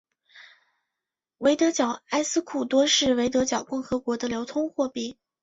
维德角埃斯库多是维德角共和国的流通货币。